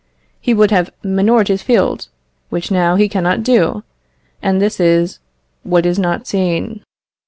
He would have manured his field, which now he cannot do, and this is what is not seen.